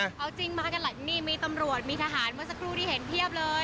เอาจริงมากันหลังนี่มีตำรวจมีทหารเมื่อสักครู่ที่เห็นเพียบเลย